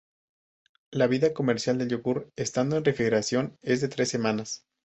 La vida comercial del yogur estando en refrigeración es de tres semanas.